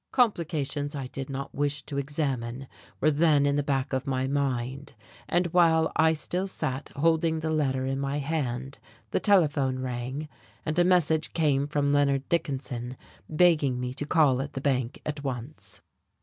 Complications I did not wish to examine were then in the back of my mind; and while I still sat holding the letter in my hand the telephone rang, and a message came from Leonard Dickinson begging me to call at the bank at once.